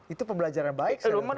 itu pembelajaran baik